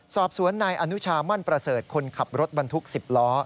สอบสวนนายอนุชามั่นประเสริฐคนขับรถบรรทุก๑๐ล้อ